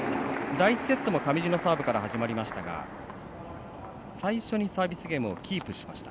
第１セットも上地のサーブから始まりましたが最初にサービスゲームをキープしました。